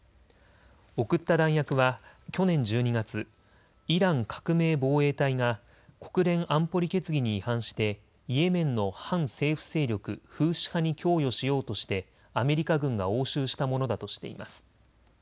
送った弾薬は去年１２月、イラン革命防衛隊が国連安保理決議に違反してイエメンの反政府勢力フーシ派に供与しようとしてアメリカ軍が押収したものだとしています。